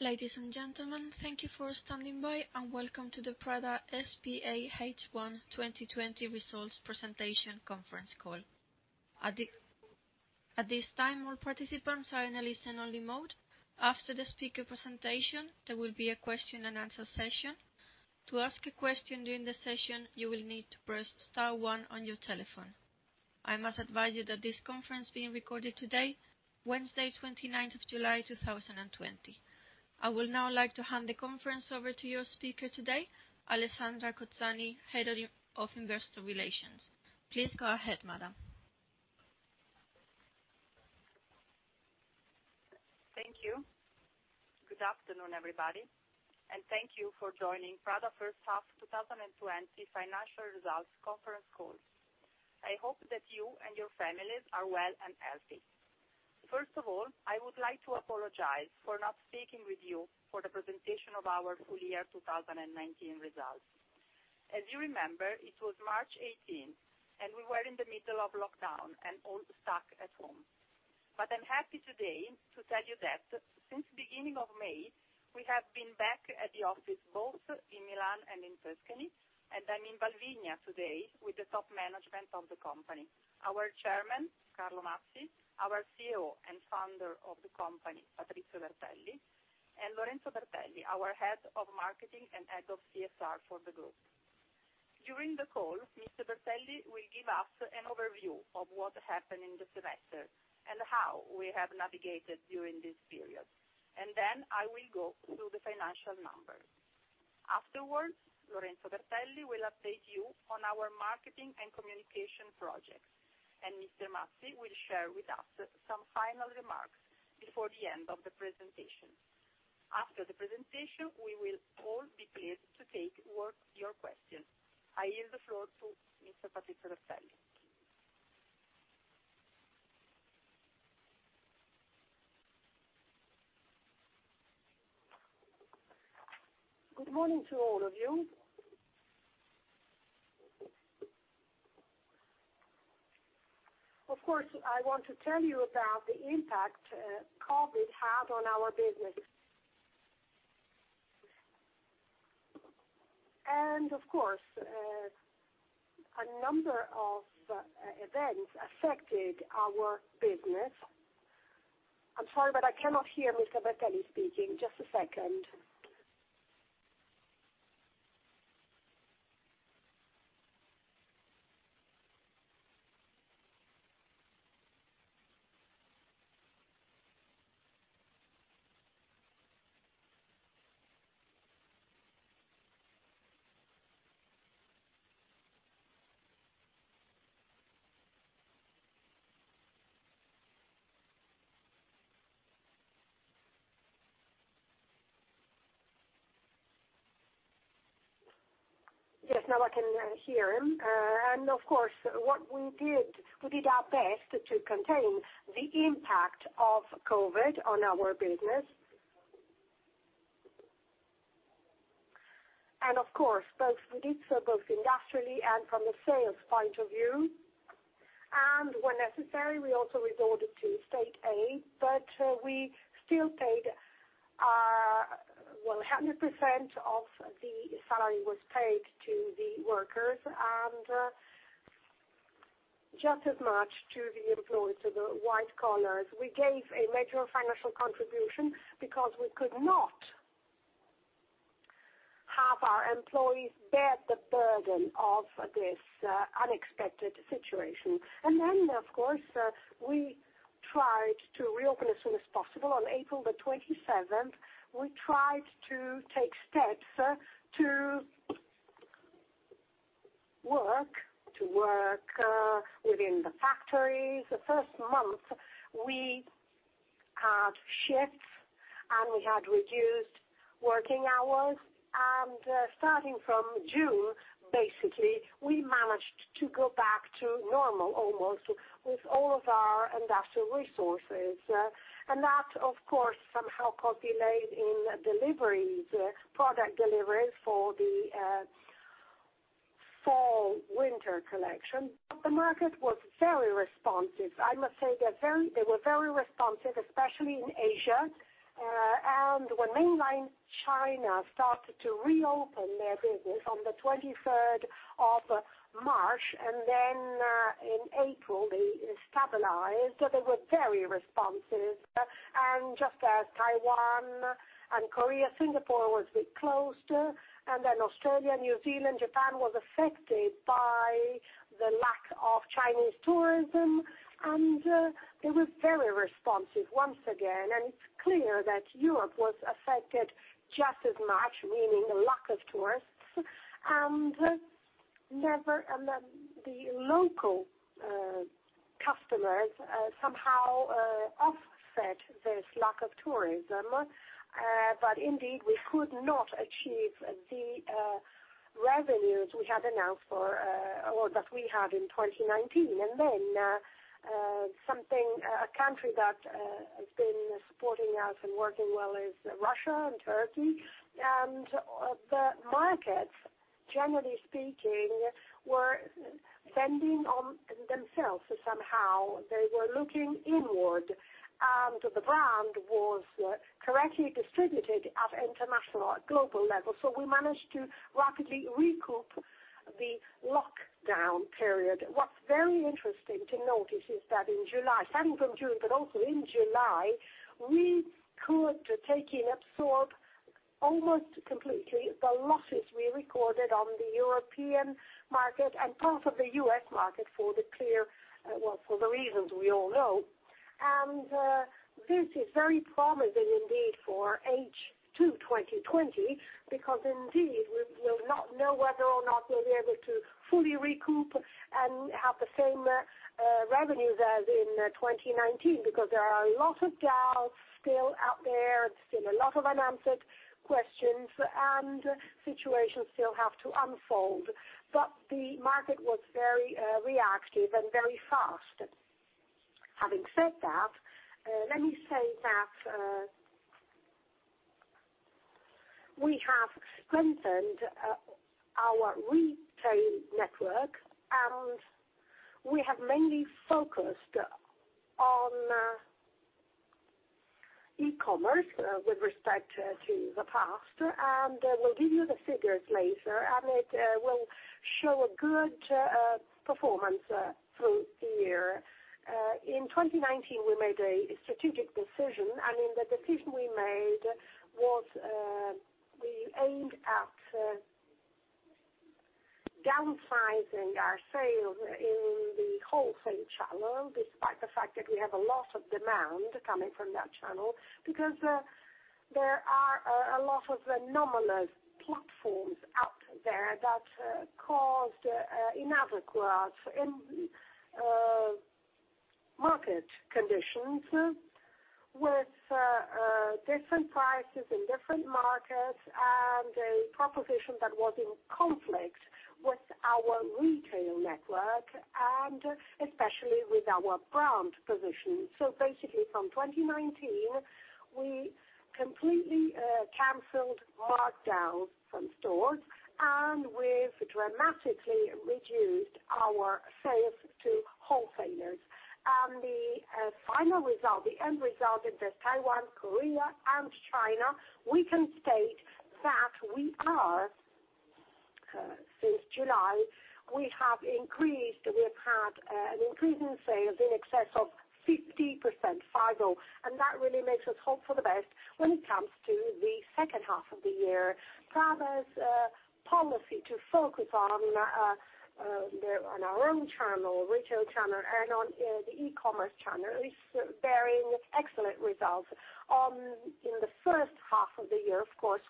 Ladies and gentlemen, thank you for standing by, and welcome to the Prada S.p.A. H1 2020 results presentation conference call. At this time, all participants are in a listen only mode. After the speaker presentation, there will be a question and answer session. To ask a question during the session, you will need to press star 1 on your telephone. I must advise you that this conference is being recorded today, Wednesday, 29th of July, 2020. I would now like to hand the conference over to your speaker today, Alessandra Cozzani, Head of Investor Relations. Please go ahead, madam. Thank you. Good afternoon, everybody, and thank you for joining Prada first half 2020 financial results conference call. I hope that you and your families are well and healthy. First of all, I would like to apologize for not speaking with you for the presentation of our full year 2019 results. As you remember, it was March 18th, and we were in the middle of lockdown and all stuck at home. I'm happy today to tell you that since beginning of May, we have been back at the office, both in Milan and in Tuscany, and I'm in Valvigna today with the top management of the company, our Chairman, Carlo Mazzi, our CEO and Founder of the company, Patrizio Bertelli, and Lorenzo Bertelli, our Head of Marketing and Head of CSR for the group. During the call, Mr. Bertelli will give us an overview of what happened in the semester and how we have navigated during this period. I will go through the financial numbers. Afterwards, Lorenzo Bertelli will update you on our marketing and communication projects, and Mr. Mazzi will share with us some final remarks before the end of the presentation. After the presentation, we will all be pleased to take your questions. I yield the floor to Mr. Patrizio Bertelli. Good morning to all of you. I want to tell you about the impact COVID had on our business. A number of events affected our business. I'm sorry, I cannot hear Mr. Bertelli speaking. Just a second. Yes, now I can hear him. What we did, we did our best to contain the impact of COVID on our business. We did so both industrially and from a sales point of view. When necessary, we also resorted to state aid, 100% of the salary was paid to the workers, and just as much to the employees, to the white collars. We gave a major financial contribution because we could not have our employees bear the burden of this unexpected situation. We tried to reopen as soon as possible. On April the 27th, we tried to take steps to work within the factories. The first month, we had shifts, we had reduced working hours, starting from June, basically, we managed to go back to normal, almost, with all of our industrial resources. That, of course, somehow caused delays in deliveries, product deliveries for the fall/winter collection. The market was very responsive. I must say they were very responsive, especially in Asia. When mainland China started to reopen their business on the 23rd of March, then in April they stabilized, they were very responsive. Just as Taiwan and Korea, Singapore was a bit closed, then Australia, New Zealand, Japan was affected by the lack of Chinese tourism, they were very responsive once again. It's clear that Europe was affected just as much, meaning the lack of tourists, and then the local customers somehow offset this lack of tourism. Indeed, we could not achieve the revenues we had announced for, or that we had in 2019. A country that has been supporting us and working well is Russia and Turkey. The markets, generally speaking, were spending on themselves somehow. They were looking inward, and the brand was correctly distributed at international or global level. We managed to rapidly recoup the lockdown period. What's very interesting to notice is that in July, starting from June, but also in July, we could take in, absorb, almost completely the losses we recorded on the European market and part of the U.S. market for the clear, well, for the reasons we all know. This is very promising indeed for H2 2020, because indeed, we will not know whether or not we'll be able to fully recoup and have the same revenues as in 2019, because there are a lot of doubts still out there. There's still a lot of unanswered questions, and situations still have to unfold. The market was very reactive and very fast. Having said that, let me say that, we have strengthened our retail network, and we have mainly focused on e-commerce, with respect to the past. We'll give you the figures later, and it will show a good performance through the year. In 2019, we made a strategic decision, and in the decision we made was, we aimed at downsizing our sales in the wholesale channel, despite the fact that we have a lot of demand coming from that channel, because there are a lot of anomalous platforms out there that caused inadequate end market conditions with different prices in different markets and a proposition that was in conflict with our retail network and especially with our brand position. Basically from 2019, we completely canceled markdowns from stores, and we've dramatically reduced our sales to wholesalers. The final result, the end result in the Taiwan, Korea, and China, we can state that we are, since July, we have increased. We have had an increase in sales in excess of 50%, five-O. That really makes us hope for the best when it comes to the second half of the year. Prada's policy to focus on our own channel, retail channel, and on the e-commerce channel is bearing excellent results. In the first half of the year, of course,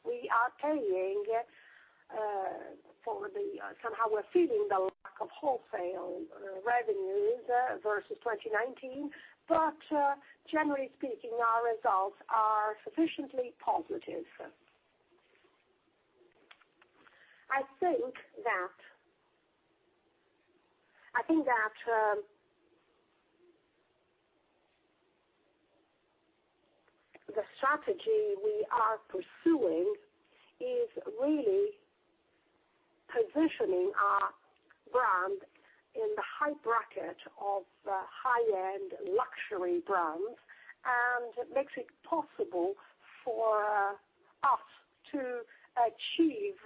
Somehow we're feeling the lack of wholesale revenues versus 2019. Generally speaking, our results are sufficiently positive. I think that the strategy we are pursuing is really positioning our brand in the high bracket of high-end luxury brands, and makes it possible for us to achieve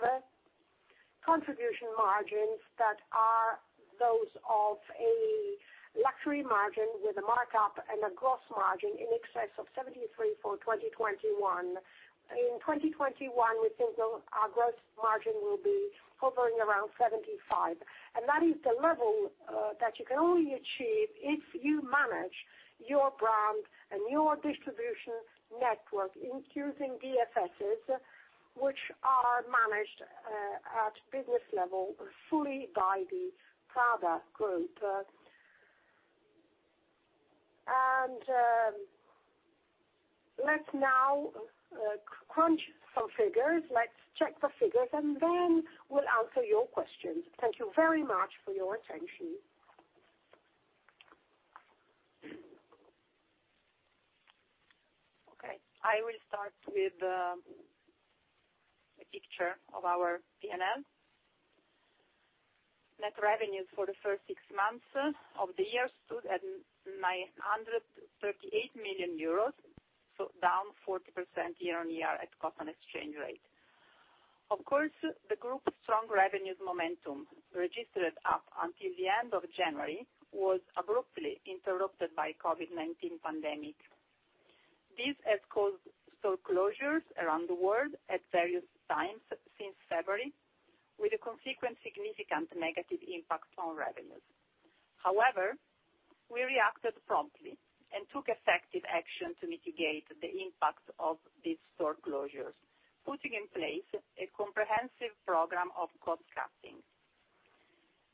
contribution margins that are those of a luxury margin with a markup and a gross margin in excess of 73% for 2021. In 2021, we think our gross margin will be hovering around 75%. That is the level that you can only achieve if you manage your brand and your distribution network, including DFSs, which are managed at business level fully by the Prada Group. Let's now crunch some figures. Let's check the figures, and then we'll answer your questions. Thank you very much for your attention. I will start with a picture of our P&L. Net revenues for the first 6 months of the year stood at 938 million euros, so down 40% year-on-year at constant exchange rate. Of course, the group's strong revenues momentum registered up until the end of January was abruptly interrupted by COVID-19 pandemic. This has caused store closures around the world at various times since February, with a consequent significant negative impact on revenues. However, we reacted promptly and took effective action to mitigate the impact of these store closures, putting in place a comprehensive program of cost cutting.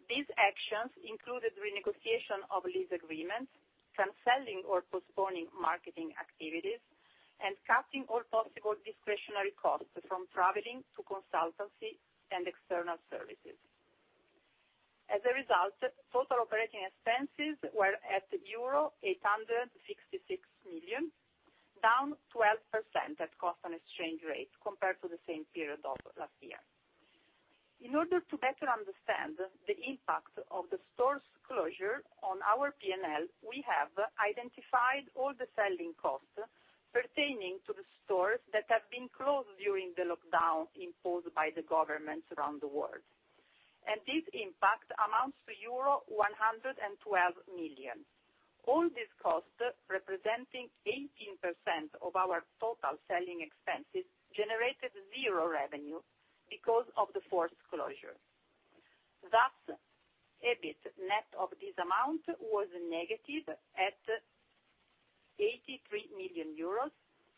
These actions included renegotiation of lease agreements, canceling or postponing marketing activities, and cutting all possible discretionary costs from traveling to consultancy and external services. Total operating expenses were at euro 866 million, down 12% at cost and exchange rate compared to the same period of last year. In order to better understand the impact of the stores closure on our P&L, we have identified all the selling costs pertaining to the stores that have been closed during the lockdown imposed by the governments around the world, this impact amounts to euro 112 million. All these costs, representing 18% of our total selling expenses, generated zero revenue because of the forced closure. EBIT net of this amount was negative at 83 million euros.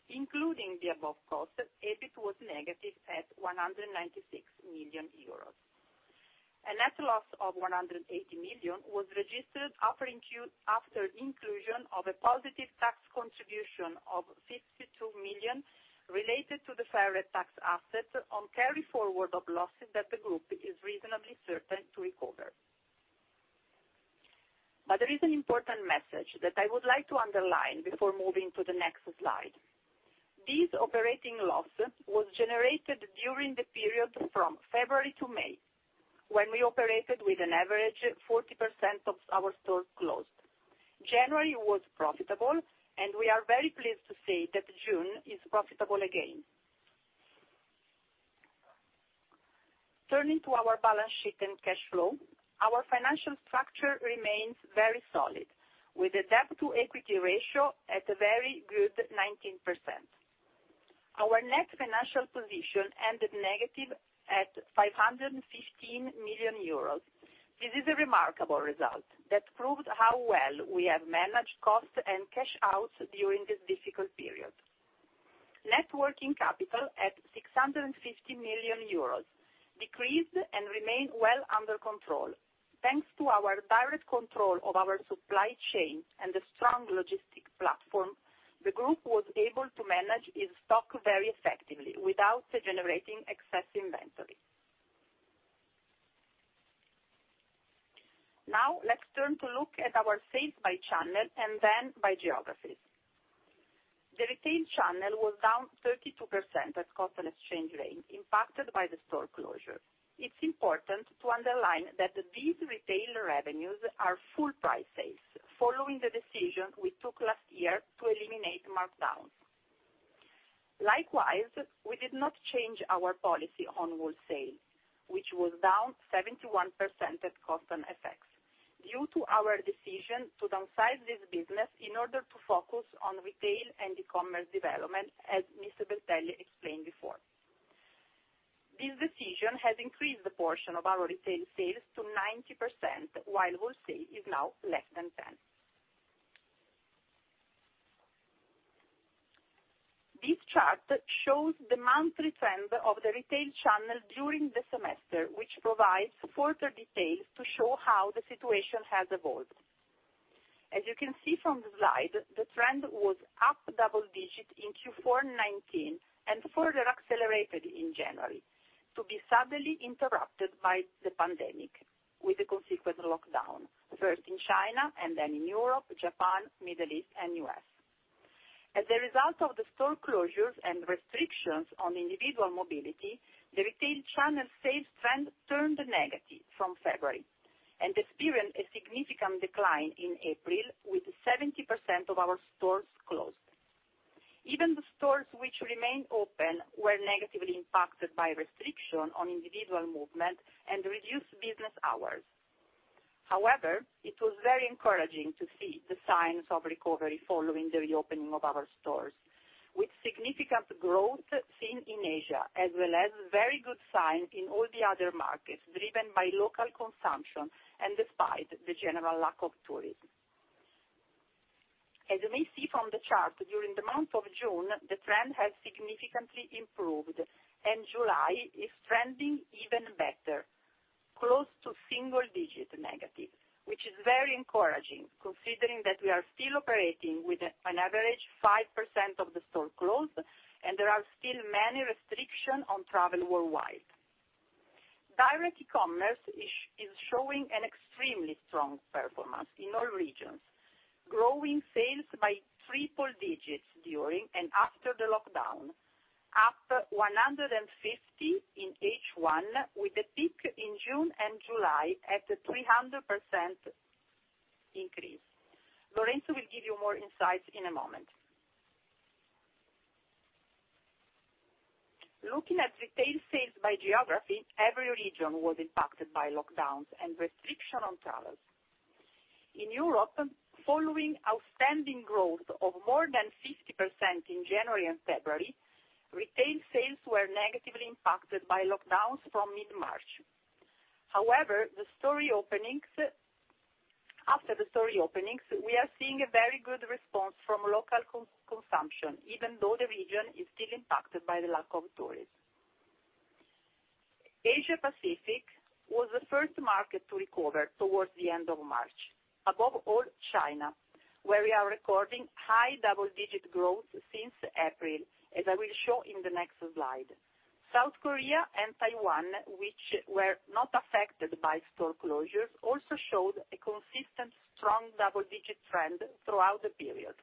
Including the above cost, EBIT was negative at 196 million euros. A net loss of 180 million was registered after inclusion of a positive tax contribution of 52 million related to the fair tax asset on carry forward of losses that the group is reasonably certain to recover. There is an important message that I would like to underline before moving to the next slide. This operating loss was generated during the period from February to May, when we operated with an average 40% of our stores closed. January was profitable, and we are very pleased to say that June is profitable again. Turning to our balance sheet and cash flow, our financial structure remains very solid, with a debt to equity ratio at a very good 19%. Our net financial position ended negative at 515 million euros. This is a remarkable result that proved how well we have managed costs and cash outs during this difficult period. Net working capital at 650 million euros decreased and remained well under control. Thanks to our direct control of our supply chain and the strong logistic platform, the group was able to manage its stock very effectively without generating excess inventory. Now, let's turn to look at our sales by channel and then by geographies. The retail channel was down 32% at constant exchange rate impacted by the store closure. It's important to underline that these retail revenues are full price sales following the decision we took last year to eliminate markdowns. Likewise, we did not change our policy on wholesale, which was down 71% at constant FX due to our decision to downsize this business in order to focus on retail and e-commerce development, as Mr. Bertelli explained before. This decision has increased the portion of our retail sales to 90%, while wholesale is now less than 10%. This chart shows the monthly trend of the retail channel during the semester, which provides further details to show how the situation has evolved. As you can see from the slide, the trend was up double digit in Q4 '19 and further accelerated in January to be suddenly interrupted by the pandemic with the consequent lockdown, first in China and then in Europe, Japan, Middle East, and U.S. As a result of the store closures and restrictions on individual mobility, the retail channel sales trend turned negative from February and experienced a significant decline in April with 70% of our stores closed. Even the stores which remained open were negatively impacted by restriction on individual movement and reduced business hours. However, it was very encouraging to see the signs of recovery following the reopening of our stores, with significant growth seen in Asia, as well as very good signs in all the other markets, driven by local consumption and despite the general lack of tourism. As you may see from the chart, during the month of June, the trend has significantly improved, and July is trending even better, close to single-digit negative, which is very encouraging considering that we are still operating with an average 5% of the stores closed, and there are still many restriction on travel worldwide. Direct e-commerce is showing an extremely strong performance in all regions, growing sales by triple digits during and after the lockdown, up 150% in H1 with a peak in June and July at 300% increase. Lorenzo will give you more insights in a moment. Looking at retail sales by geography, every region was impacted by lockdowns and restriction on travels. In Europe, following outstanding growth of more than 50% in January and February, retail sales were negatively impacted by lockdowns from mid-March. After the store openings, we are seeing a very good response from local consumption, even though the region is still impacted by the lack of tourists. Asia Pacific was the first market to recover towards the end of March. Above all, China, where we are recording high double-digit growth since April, as I will show in the next slide. South Korea and Taiwan, which were not affected by store closures, also showed a consistent strong double-digit trend throughout the period.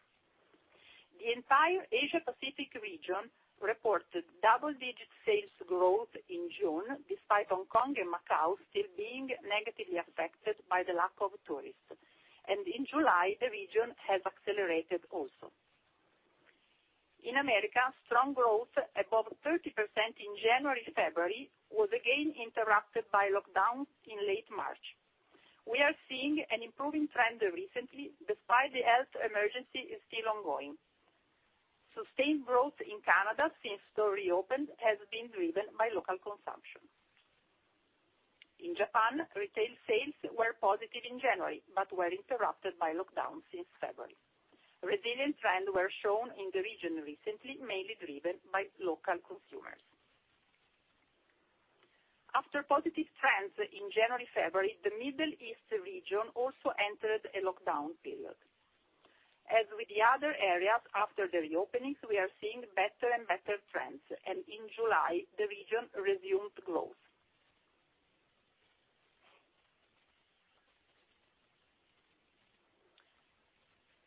The entire Asia Pacific region reported double-digit sales growth in June, despite Hong Kong and Macau still being negatively affected by the lack of tourists. In July, the region has accelerated also. In America, strong growth above 30% in January, February, was again interrupted by lockdowns in late March. We are seeing an improving trend recently despite the health emergency is still ongoing. Sustained growth in Canada since stores reopened has been driven by local consumption. In Japan, retail sales were positive in January but were interrupted by lockdowns since February. Resilient trends were shown in the region recently, mainly driven by local consumers. After positive trends in January, February, the Middle East region also entered a lockdown period. As with the other areas after the reopenings, we are seeing better and better trends, and in July, the region resumed growth.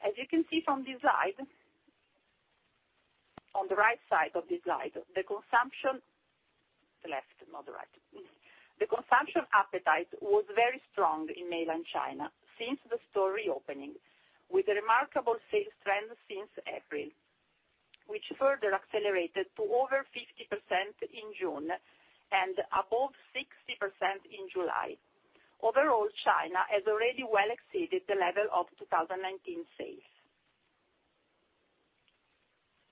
As you can see from this slide, on the right side of this slide, the left, not the right. The consumption appetite was very strong in Mainland China since the store reopening, with a remarkable sales trend since April, which further accelerated to over 50% in June and above 60% in July. Overall, China has already well exceeded the level of 2019 sales.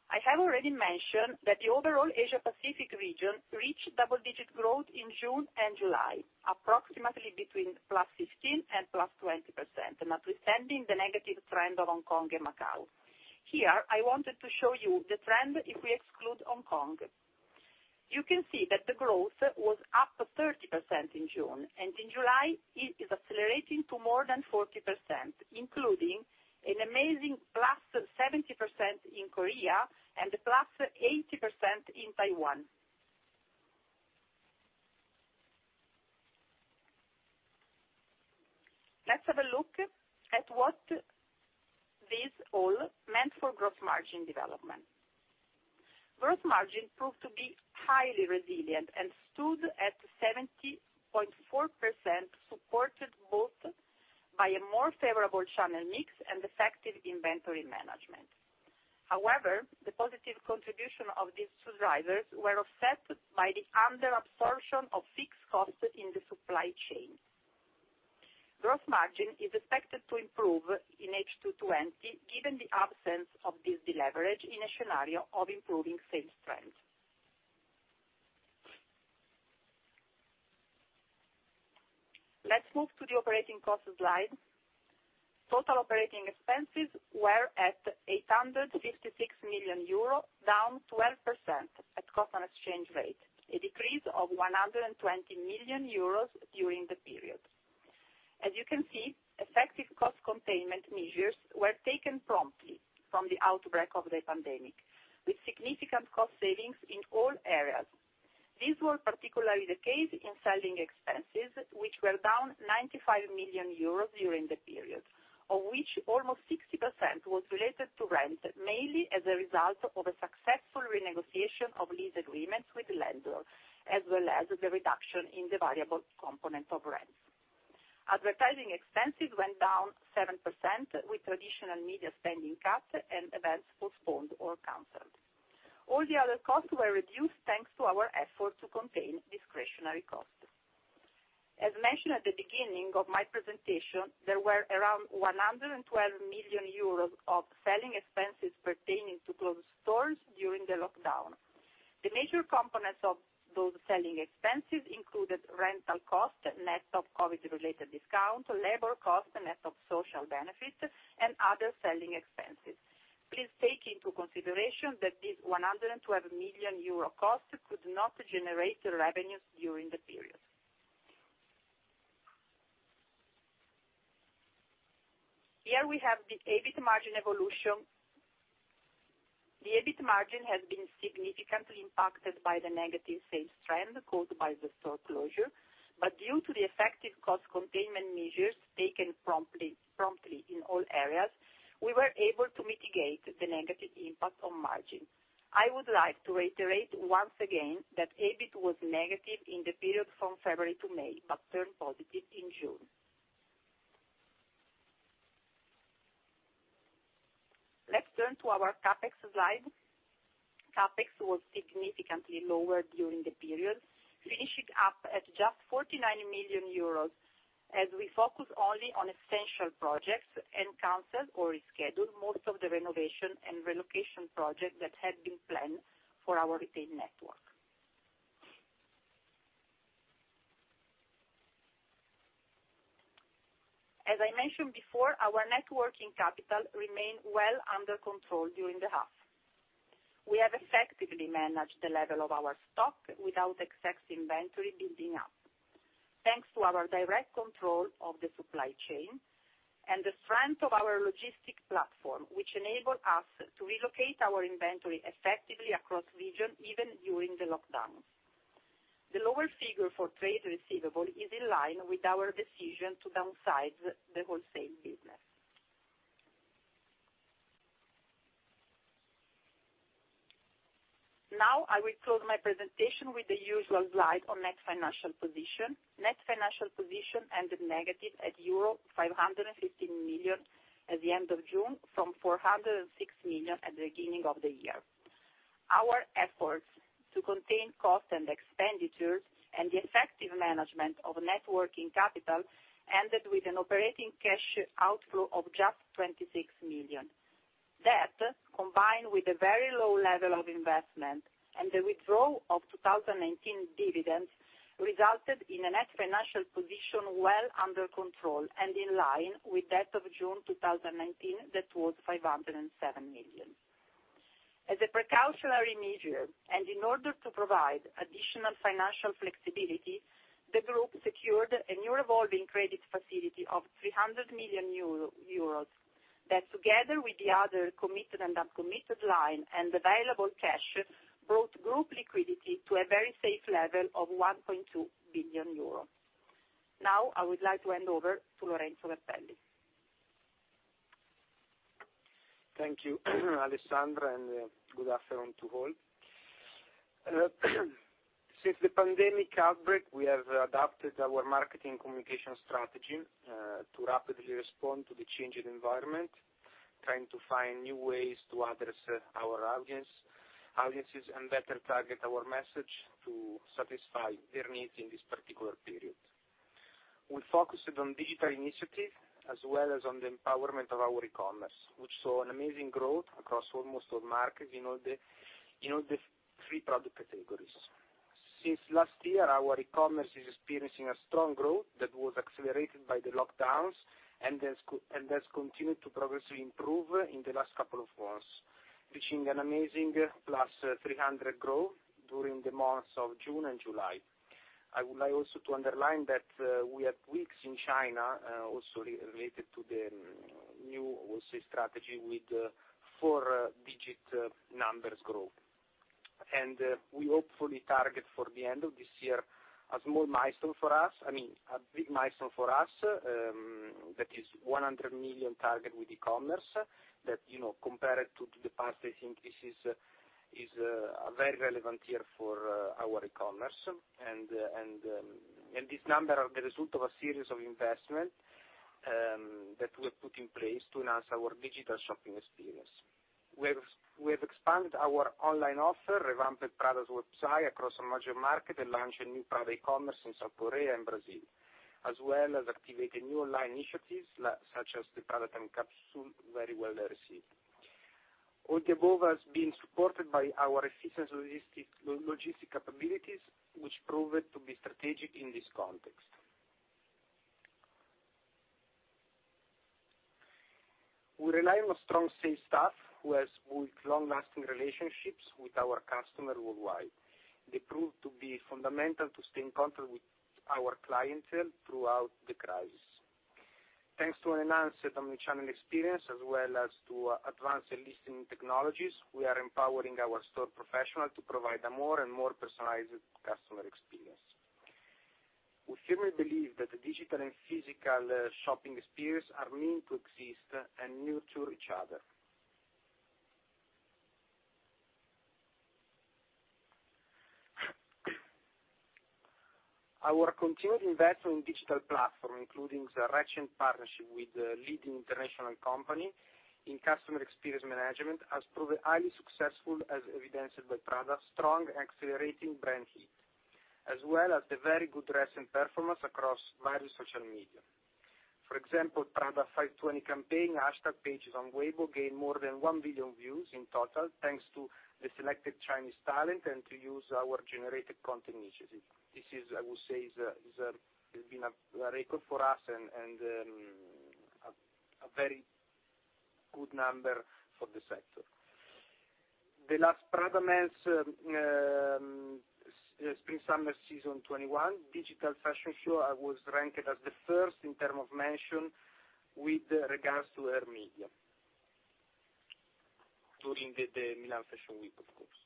I have already mentioned that the overall Asia Pacific region reached double-digit growth in June and July, approximately between +15% and +20%, notwithstanding the negative trend of Hong Kong and Macau. Here, I wanted to show you the trend if we exclude Hong Kong. You can see that the growth was up to 30% in June, and in July, it is accelerating to more than 40%, including an amazing +70% in Korea and +80% in Taiwan. Let's have a look at what this all meant for gross margin development. Gross margin proved to be highly resilient and stood at 70.4%, supported both by a more favorable channel mix and effective inventory management. The positive contribution of these two drivers were offset by the under absorption of fixed costs in the supply chain. Gross margin is expected to improve in H2 '20, given the absence of this deleverage in a scenario of improving sales trends. Let's move to the operating cost slide. Total operating expenses were at 856 million euro, down 12% at constant exchange rate, a decrease of 120 million euros during the period. As you can see, effective cost containment measures were taken promptly from the outbreak of the pandemic, with significant cost savings in all areas. These were particularly the case in selling expenses, which were down 95 million euros during the period, of which almost 60% was related to rent, mainly as a result of a successful renegotiation of lease agreements with landlords, as well as the reduction in the variable component of rents. Advertising expenses went down 7%, with traditional media spending cut and events postponed or canceled. All the other costs were reduced, thanks to our effort to contain discretionary costs. As mentioned at the beginning of my presentation, there were around 112 million euros of selling expenses pertaining to closed stores during the lockdown. The major components of those selling expenses included rental costs, net of COVID-related discount, labor cost, net of social benefit, and other selling expenses. Please take into consideration that this 112 million euro cost could not generate revenues during the period. Here we have the EBIT margin evolution. The EBIT margin has been significantly impacted by the negative sales trend caused by the store closure, but due to the effective cost containment measures taken promptly in all areas, we were able to mitigate the negative impact on margin. I would like to reiterate once again that EBIT was negative in the period from February to May, but turned positive in June. Let's turn to our CapEx slide. CapEx was significantly lower during the period, finishing up at just €49 million as we focused only on essential projects and canceled or rescheduled most of the renovation and relocation projects that had been planned for our retail network. As I mentioned before, our net working capital remained well under control during the half. We have effectively managed the level of our stock without excess inventory building up. Thanks to our direct control of the supply chain and the strength of our logistics platform, which enable us to relocate our inventory effectively across region, even during the lockdown. The lower figure for trade receivables is in line with our decision to downsize the wholesale business. I will close my presentation with the usual slide on net financial position. Net financial position ended negative at euro 550 million at the end of June from 406 million at the beginning of the year. Our efforts to contain cost and expenditure and the effective management of networking capital ended with an operating cash outflow of just 26 million. That, combined with a very low level of investment and the withdrawal of 2019 dividends, resulted in a net financial position well under control and in line with that of June 2019, that was 507 million. As a precautionary measure, and in order to provide additional financial flexibility, the group secured a new revolving credit facility of 300 million euro, that together with the other committed and uncommitted line and available cash, brought group liquidity to a very safe level of 1.2 billion euro. Now, I would like to hand over to Lorenzo Bertelli. Thank you, Alessandra, and good afternoon to all. Since the pandemic outbreak, we have adapted our marketing communication strategy to rapidly respond to the changing environment, trying to find new ways to address our audiences and better target our message to satisfy their needs in this particular period. We focused on digital initiative as well as on the empowerment of our e-commerce, which saw an amazing growth across almost all markets in all the three product categories. Since last year, our e-commerce is experiencing a strong growth that was accelerated by the lockdowns, and has continued to progressively improve in the last couple of months, reaching an amazing plus 300 growth during the months of June and July. I would like also to underline that we had weeks in China, also related to the new, I will say, strategy with four-digit numbers growth. We hopefully target for the end of this year, a small milestone for us, I mean, a big milestone for us, that is 100 million target with e-commerce that, compared to the past, I think this is a very relevant year for our e-commerce. This number are the result of a series of investment that we have put in place to enhance our digital shopping experience. We have expanded our online offer, revamped Prada's website across a major market, and launched a new Prada e-commerce in South Korea and Brazil, as well as activated new online initiatives such as the Prada Timecapsule, very well received. All the above has been supported by our efficient logistic capabilities, which proved to be strategic in this context. We rely on a strong sales staff who has built long-lasting relationships with our customer worldwide. They proved to be fundamental to stay in contact with our clientele throughout the crisis. Thanks to an enhanced omnichannel experience as well as to advanced listening technologies, we are empowering our store professional to provide a more and more personalized customer experience. We firmly believe that the digital and physical shopping experience are meant to exist and nurture each other. Our continued investment in digital platform, including the recent partnership with a leading international company in customer experience management, has proven highly successful as evidenced by Prada's strong accelerating brand heat, as well as the very good recent performance across various social media. For example, Prada 520 campaign hashtag pages on Weibo gained more than 1 billion views in total, thanks to the selected Chinese talent, and to user-generated content initiative. This is, I will say, has been a record for us and a very good number for the sector. The last Prada Men 21 was ranked as the first in terms of mention with regards to our media during the Milan Fashion Week, of course.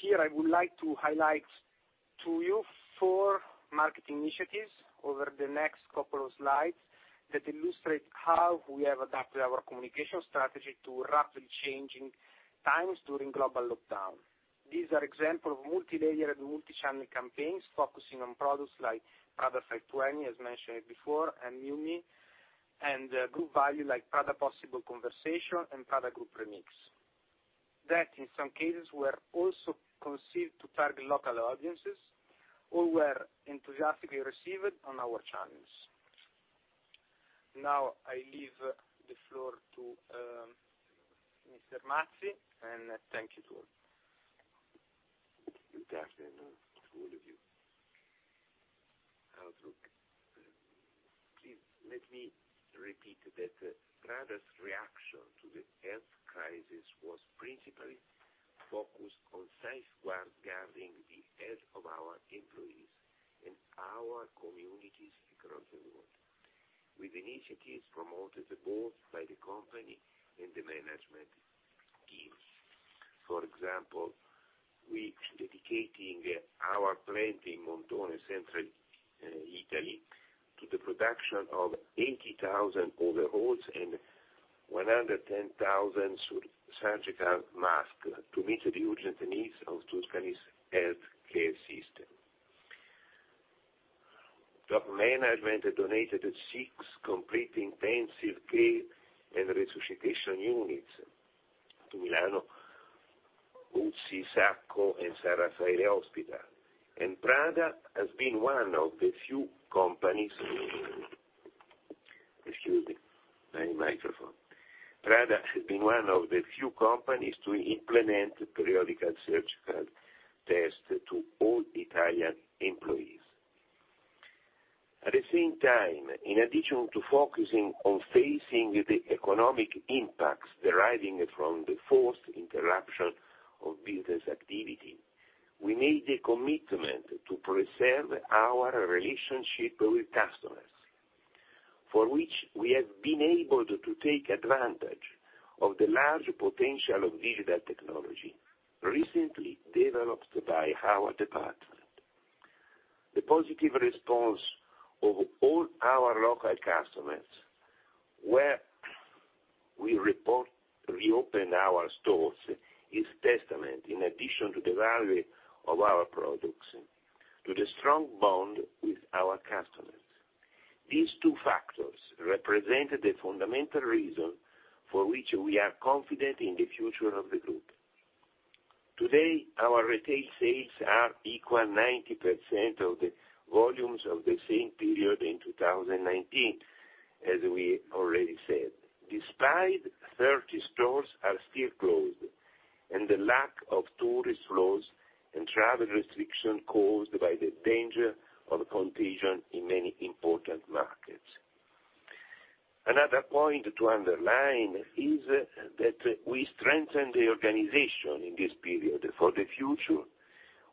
Here I would like to highlight to you four marketing initiatives over the next couple of slides that illustrate how we have adapted our communication strategy to rapidly changing times during global lockdown. These are examples of multilayered and multichannel campaigns focusing on products like Prada 520, as mentioned before, and Miu Miu, and group value like Prada Possible Conversations, and Prada Group Remix. That in some cases were also conceived to target local audiences or were enthusiastically received on our channels. Now I leave the floor to Mr. Mazzi, and thank you to all. Thank you, Dario, and to all of you. Please let me repeat that Prada's reaction to the health crisis was principally focused on safeguarding the health of our employees and our communities across the world, with initiatives promoted both by the company and the management teams. For example, we dedicated our plant in Montone, central Italy, to the production of 80,000 overalls and 110,000 surgical masks to meet the urgent needs of Tuscany's healthcare system. Top management donated six complete intensive care and resuscitation units to Milan's Vittore Buzzi, Sacco, and San Raffaele hospitals. Prada has been one of the few companies to implement periodical surgical tests to all Italian employees. At the same time, in addition to focusing on facing the economic impacts deriving from the forced interruption of business activity, we made a commitment to preserve our relationship with customers, for which we have been able to take advantage of the large potential of digital technology recently developed by our department. The positive response of all our local customers where we reopen our stores is testament, in addition to the value of our products, to the strong bond with our customers. These two factors represent the fundamental reason for which we are confident in the future of the group. Today, our retail sales are equal 90% of the volumes of the same period in 2019, as we already said, despite 30 stores are still closed and the lack of tourist flows and travel restriction caused by the danger of contagion in many important markets. Another point to underline is that we strengthen the organization in this period for the future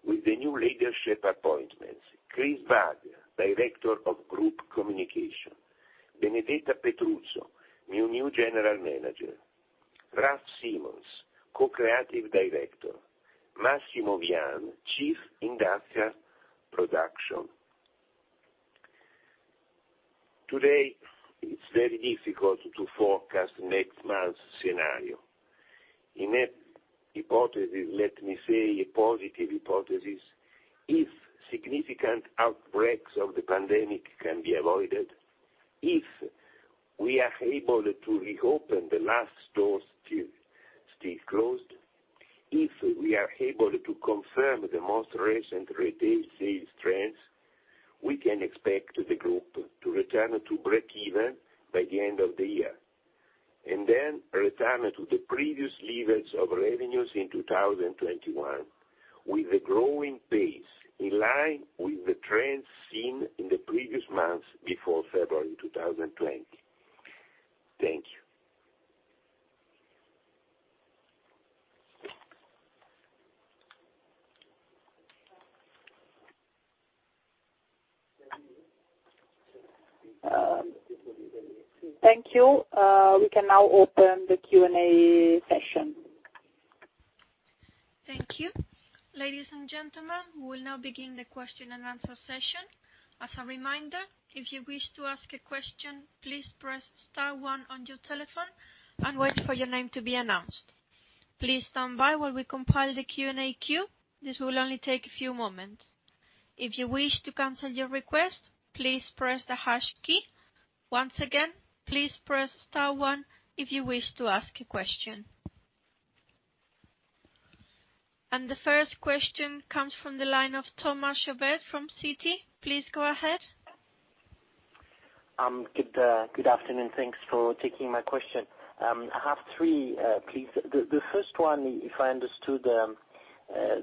with the new leadership appointments. Chris Bugg, Director of Group Communication. Benedetta Petruzzo, my new General Manager. Raf Simons, Co-Creative Director. Massimo Vian, Chief Industrial Production. Today, it's very difficult to forecast next month's scenario. In a hypothesis, let me say, a positive hypothesis, if significant outbreaks of the pandemic can be avoided, if we are able to reopen the last stores still closed, if we are able to confirm the most recent retail sales trends, we can expect the group to return to breakeven by the end of the year, and then return to the previous levels of revenues in 2021 with a growing pace in line with the trends seen in the previous months before February 2020. Thank you. Thank you. We can now open the Q&A session. Thank you. Ladies and gentlemen, we will now begin the question and answer session. As a reminder, if you wish to ask a question, please press star one on your telephone and wait for your name to be announced. Please stand by while we compile the Q&A queue. This will only take a few moments. If you wish to cancel your request, please press the hash key. Once again, please press star one if you wish to ask a question. The first question comes from the line of Thomas Chauvet from Citi. Please go ahead. Good afternoon. Thanks for taking my question. I have three, please. The first one, if I understood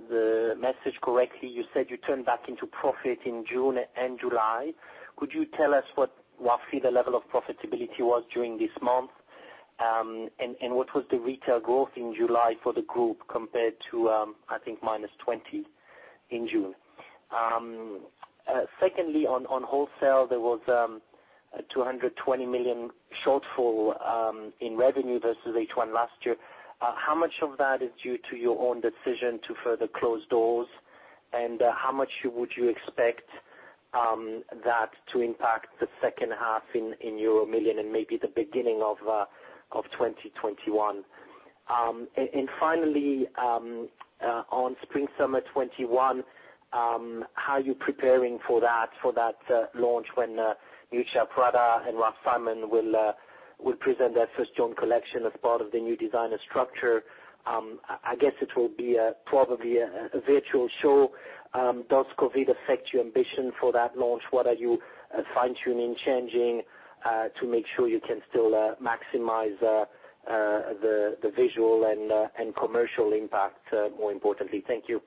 the message correctly, you said you turned back into profit in June and July. Could you tell us what roughly the level of profitability was during this month? What was the retail growth in July for the group compared to, I think, -20% in June? Secondly, on wholesale, there was a 220 million shortfall in revenue versus H1 last year. How much of that is due to your own decision to further close doors? How much would you expect that to impact H2 '20 in euro million and maybe the beginning of 2021? Finally, on spring/summer '21, how are you preparing for that launch when Miuccia Prada and Raf Simons will present their first joint collection as part of the new designer structure. I guess it will be probably a virtual show. Does COVID-19 affect your ambition for that launch? What are you fine-tuning, changing, to make sure you can still maximize the visual and commercial impact, more importantly? Thank you.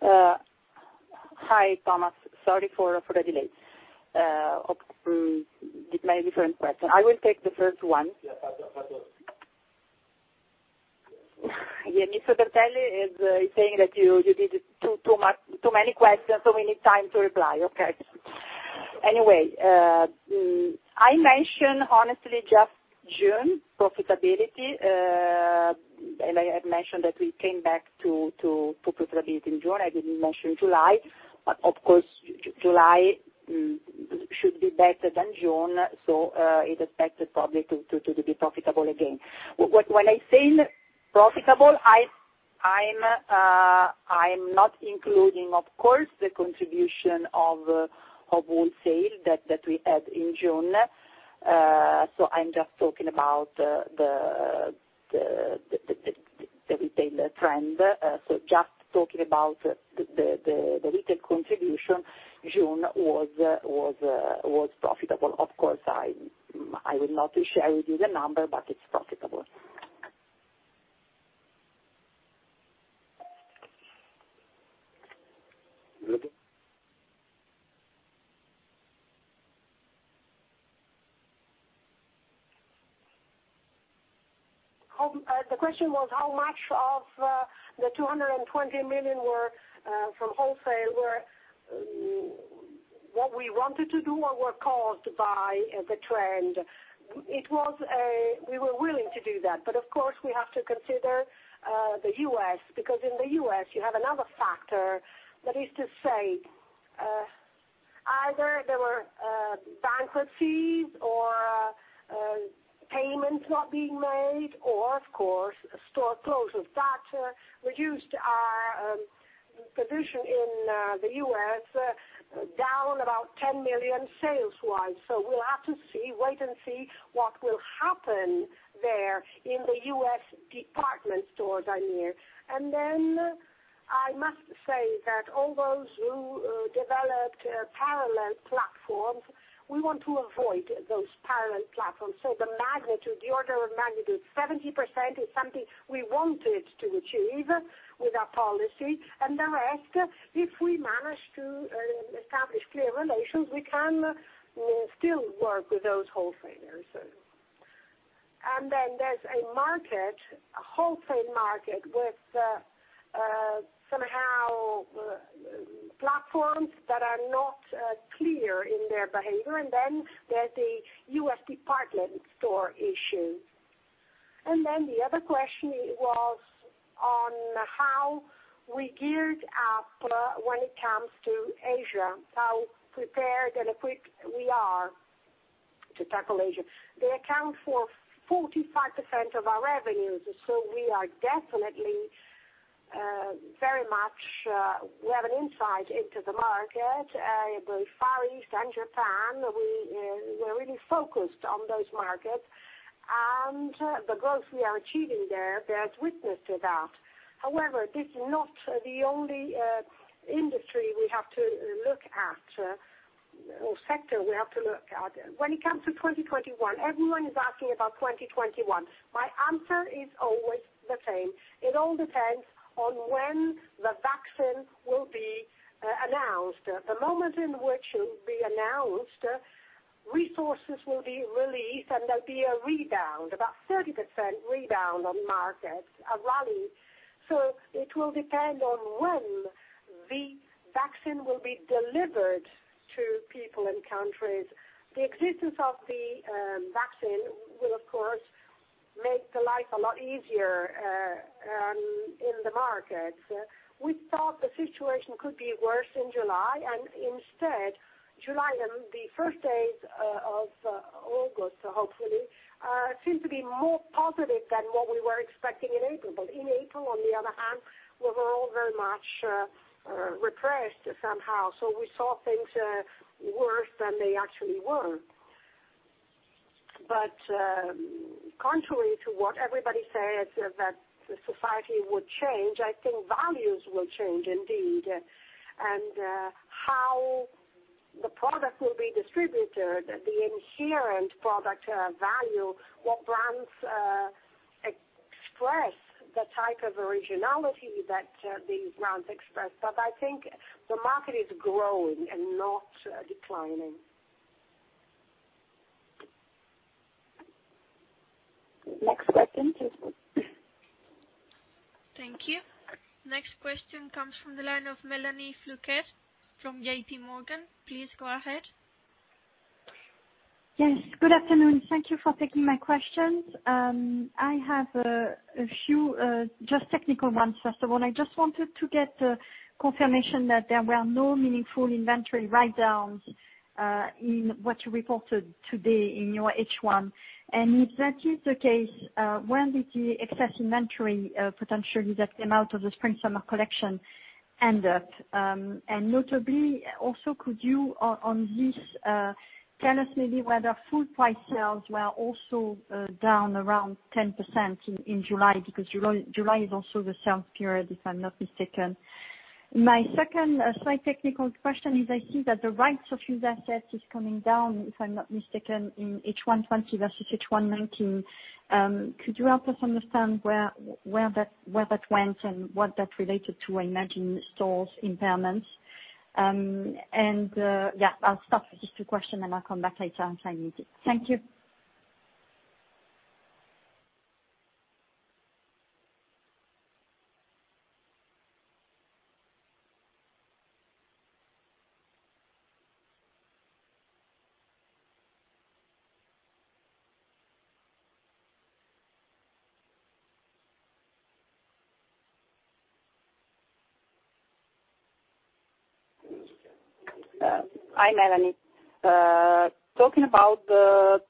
Hi, Thomas. Sorry for the delay. You had many different questions. I will take the first one. Yeah, Yeah, Mr. Bertelli is saying that you did too many questions. We need time to reply, okay. Anyway, I mentioned honestly just June profitability. I had mentioned that we came back to profitability in June. I didn't mention July, of course, July should be better than June. It is expected probably to be profitable again. When I say profitable, I'm not including, of course, the contribution of wholesale that we had in June. I'm just talking about the retailer trend. Just talking about the retail contribution, June was profitable. Of course, I will not share with you the number, it's profitable. The question was how much of the 220 million were from wholesale, were what we wanted to do or were caused by the trend. We were willing to do that, of course, we have to consider the U.S., because in the U.S., you have another factor that is to say, either there were bankruptcies or payments not being made, or of course, store closures. That reduced our position in the U.S. down about 10 million sales-wise. We'll have to wait and see what will happen there in the U.S. department stores, I mean. I must say that all those who developed parallel platforms, we want to avoid those parallel platforms. The order of magnitude, 70% is something we wanted to achieve with our policy. The rest, if we manage to establish clear relations, we can still work with those wholesalers. There's a wholesale market with somehow platforms that are not clear in their behavior, and then there's a U.S. department store issue. The other question was on how we geared up when it comes to Asia, how prepared and equipped we are to tackle Asia. They account for 45% of our revenues. We have an insight into the market, the Far East and Japan. We are really focused on those markets, and the growth we are achieving there bears witness to that. However, this is not the only industry we have to look at, or sector we have to look at. When it comes to 2021, everyone is asking about 2021. My answer is always the same. It all depends on when the vaccine will be announced. The moment in which it will be announced, resources will be released and there'll be a rebound, about 30% rebound on markets, a rally. It will depend on when the vaccine will be delivered to people and countries. The existence of the vaccine will, of course, make the life a lot easier in the markets. We thought the situation could be worse in July, and instead, July and the first days of August, hopefully, seem to be more positive than what we were expecting in April. In April, on the other hand, we were all very much repressed somehow. We saw things worse than they actually were. Contrary to what everybody says, that society would change, I think values will change indeed, and how the product will be distributed, the inherent product value, what brands express, the type of originality that these brands express. I think the market is growing and not declining. Next question, please. Thank you. Next question comes from the line of Melanie Floquet from J.P. Morgan. Please go ahead. Yes. Good afternoon. Thank you for taking my questions. I have a few just technical ones. First of all, I just wanted to get confirmation that there were no meaningful inventory write-downs in what you reported today in your H1. If that is the case, where did the excess inventory potentially that came out of the spring/summer collection end up? Notably, also, could you, on this, tell us maybe whether full price sales were also down around 10% in July? Because July is also the sales period, if I'm not mistaken. My second slight technical question is, I see that the rights of use assets is coming down, if I'm not mistaken, in H1 2020 versus H1 2019. Could you help us understand where that went and what that related to? I imagine stores impairments. Yeah, I'll stop with these two question, and I'll come back later if I need to. Thank you. Hi, Melanie. Talking about the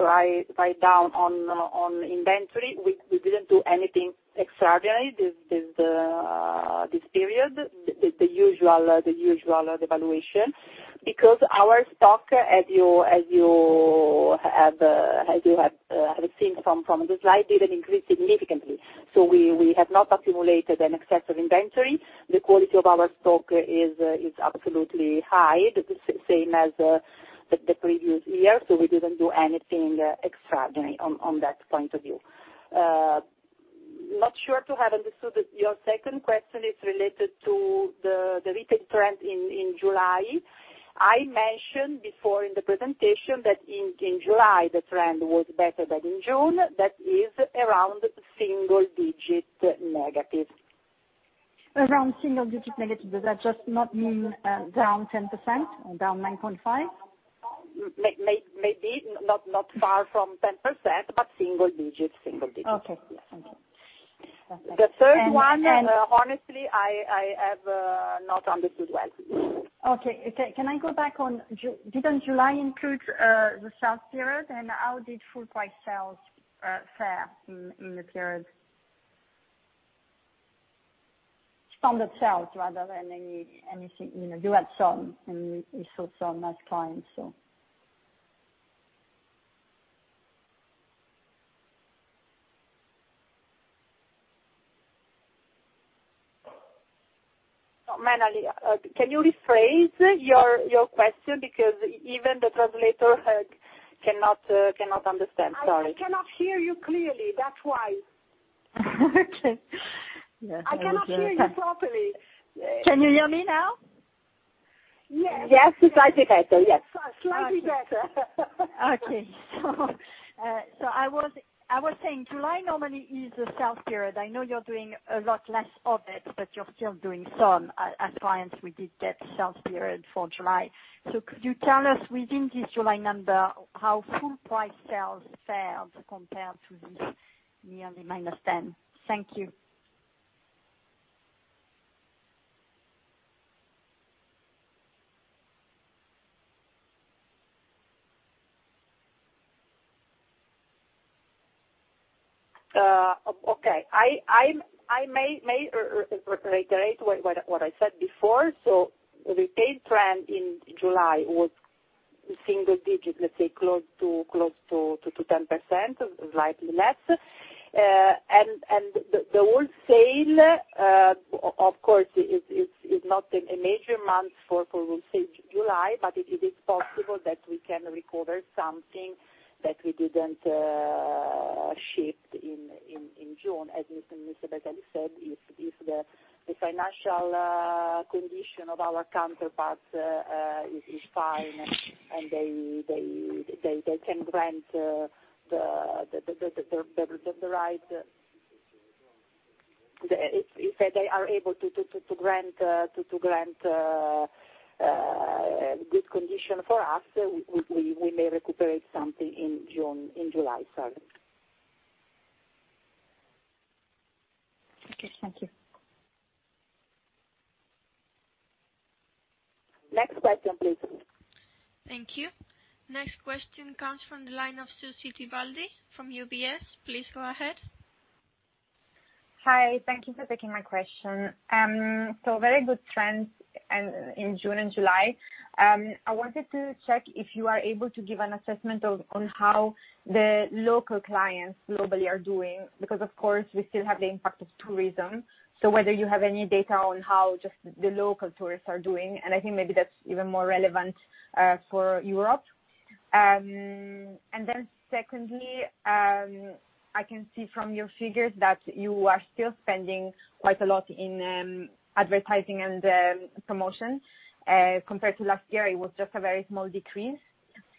write down on inventory, we didn't do anything extraordinary this period, the usual devaluation, because our stock, as you have seen from the slide, didn't increase significantly. We have not accumulated an excess of inventory. The quality of our stock is absolutely high, the same as the previous year. We didn't do anything extraordinary on that point of view. Not sure to have understood, your second question is related to the retail trend in July. I mentioned before in the presentation that in July, the trend was better than in June. That is around single-digit negative. Around single-digit negative. Does that just not mean down 10%, down 9.5%? Maybe not far from 10%, but single digit. Okay. Thank you. The third one, honestly, I have not understood well. Okay. Can I go back on Didn't July include the sales period? How did full price sales fare in the period? Standard sales rather than anything. You had some, and we saw some as clients. Melanie, can you rephrase your question because even the translator cannot understand, sorry. I cannot hear you clearly, that's why. Okay. Yeah. I cannot hear you properly. Can you hear me now? Yes. Slightly better, yes. Slightly better. Okay. I was saying July normally is a sales period. I know you're doing a lot less of it, but you're still doing some. As clients, we did get sales period for July. Could you tell us within this July number, how full price sales fared compared to this nearly -10%? Thank you. Okay. I may reiterate what I said before. Retail trend in July was single digit, let's say, close to 10%, slightly less. The wholesale, of course, it is not a major month for wholesale, July, but it is possible that we can recover something that we didn't ship in June, as Mr. Bertelli said, if the financial condition of our counterparts is fine, and they can grant good condition for us, we may recuperate something in July, sorry. Okay. Thank you. Next question, please. Thank you. Next question comes from the line of Susy Tibaldi from UBS. Please go ahead. Hi. Thank you for taking my question. Very good trends in June and July. I wanted to check if you are able to give an assessment on how the local clients globally are doing, because of course we still have the impact of tourism. Whether you have any data on how just the local tourists are doing, and I think maybe that's even more relevant for Europe. Secondly, I can see from your figures that you are still spending quite a lot in advertising and promotion. Compared to last year, it was just a very small decrease.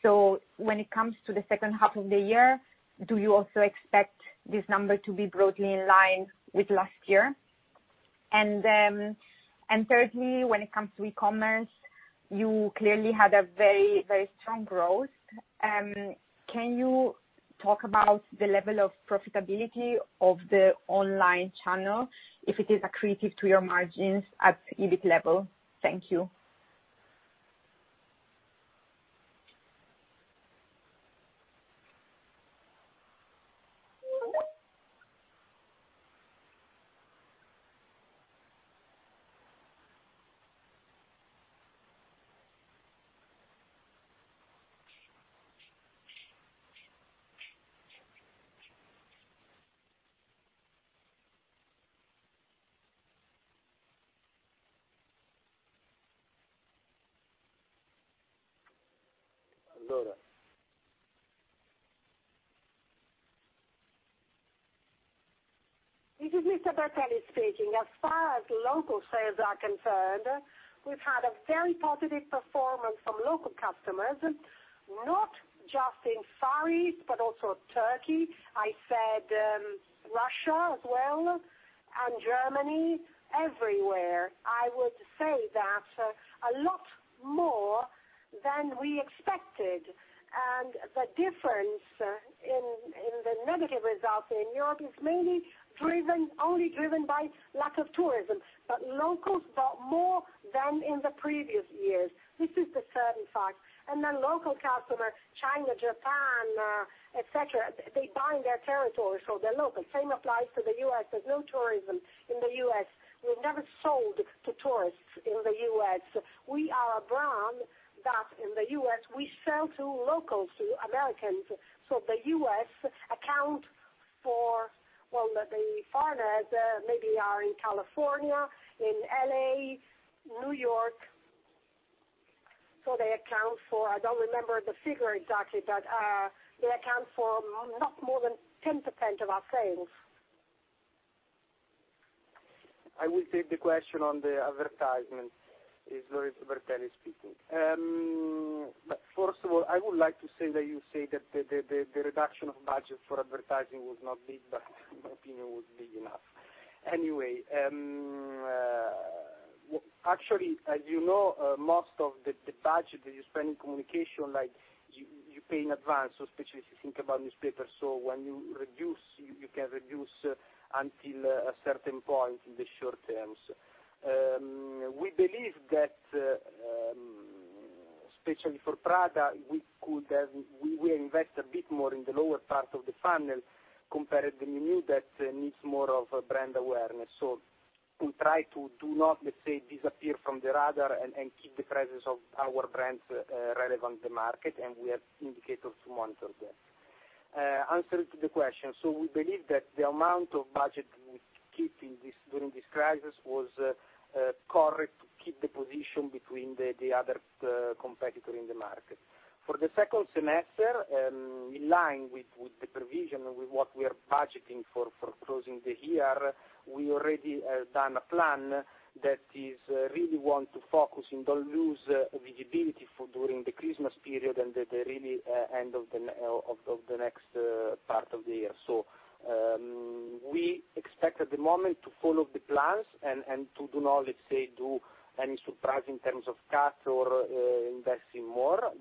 When it comes to the second half of the year, do you also expect this number to be broadly in line with last year? Thirdly, when it comes to e-commerce, you clearly had a very strong growth. Can you talk about the level of profitability of the online channel, if it is accretive to your margins at EBIT level? Thank you. Laura. This is Ms. Bertelli speaking. As far as local sales are concerned, we've had a very positive performance from local customers, not just in Far East, but also Turkey. I said Russia as well, Germany, everywhere. I would say that a lot more than we expected. The difference in the negative results in Europe is mainly only driven by lack of tourism. Locals bought more than in the previous years. This is the certain fact. Local customer, China, Japan, et cetera, they buy in their territory, so they're local. Same applies to the U.S. There's no tourism in the U.S. We never sold to tourists in the U.S. We are a brand that in the U.S., we sell to locals, to Americans. The U.S. account for Well, the foreigners maybe are in California, in L.A., New York. They account for, I don't remember the figure exactly, but they account for not more than 10% of our sales. I will take the question on the advertisement. It's Bertelli speaking. First of all, I would like to say that you say that the reduction of budget for advertising was not big, in my opinion, it was big enough. Actually, as you know, most of the budget that you spend in communication, you pay in advance, especially if you think about newspaper. When you reduce, you can reduce until a certain point in the short- terms. We believe that, especially for Prada, we will invest a bit more in the lower part of the funnel compared to Miu Miu, that needs more of a brand awareness. We try to do not, let's say, disappear from the radar, and keep the presence of our brands relevant to market, and we have indicators to monitor that. Answer to the question. We believe that the amount of budget we keep during this crisis was correct to keep the position between the other competitor in the market. For the second semester, in line with the provision, with what we are budgeting for closing the year, we already done a plan that is really want to focus and don't lose visibility during the Christmas period and the really end of the next part of the year. We expect at the moment to follow the plans and to do not, let's say, do any surprise in terms of cut or invest in more.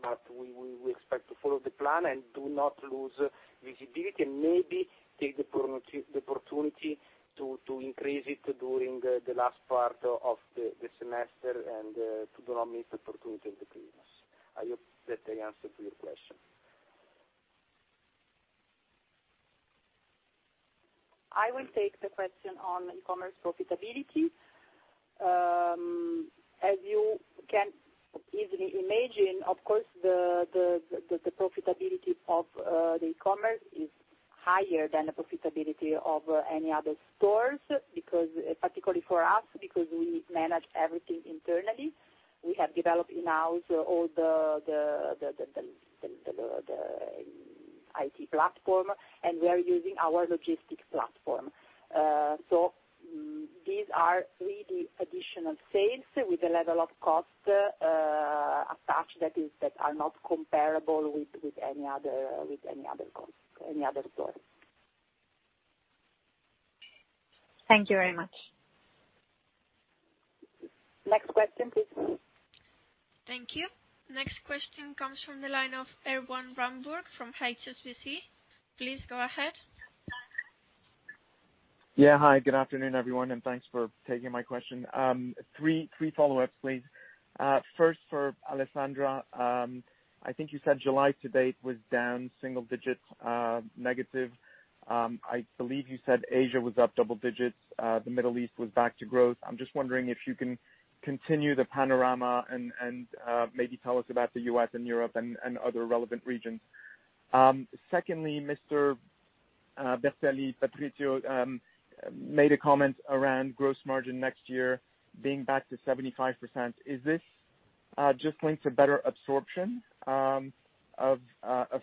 We expect to follow the plan and do not lose visibility, and maybe take the opportunity to increase it during the last part of the semester and to do not miss the opportunity in the Christmas. I hope that I answered to your question. I will take the question on e-commerce profitability. As you can easily imagine, of course, the profitability of the e-commerce is higher than the profitability of any other stores, particularly for us, because we manage everything internally. We have developed in-house all the IT platform, and we are using our logistics platform. These are really additional sales with a level of cost attached that are not comparable with any other store. Thank you very much. Next question, please. Thank you. Next question comes from the line of Erwan Rambourg from HSBC. Please go ahead. Yeah. Hi, good afternoon, everyone, and thanks for taking my question. Three follow-ups, please. First for Alessandra. I think you said July to date was down single digits negative. I believe you said Asia was up double digits, the Middle East was back to growth. I'm just wondering if you can continue the panorama and maybe tell us about the U.S. and Europe and other relevant regions. Secondly, Mr. Bertelli, Patrizio, made a comment around gross margin next year being back to 75%. Is this just linked to better absorption of